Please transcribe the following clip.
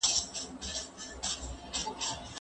قرنونه ختم سول د وینو کیسه ختمه نه سوه